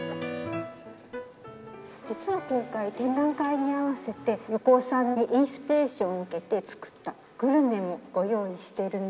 実は今回展覧会に合わせて横尾さんにインスピレーションを受けて作ったグルメもご用意しているんです。